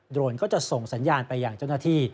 โรนก็จะส่งสัญญาณไปอย่างเจ้าหน้าที่